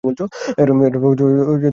এরা তৃণভোজী প্রাণী।